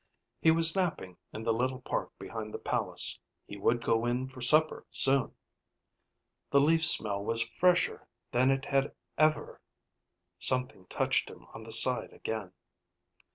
He was napping in the little park behind the palace. He would go in for supper soon. The leaf smell was fresher than it had ever.... Something touched him on the side again.